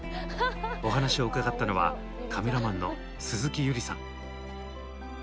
お話を伺ったのはカメラマンの鈴木友莉さん。